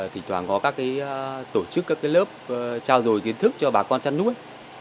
thỉnh thoảng có các cái tổ chức các cái lớp trao dồi kiến thức cho bà con chăn núi